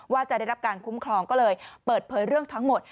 ว่าจะได้รับการคุ้มครองก็เลยเปิดเผยเรื่องทั้งหมด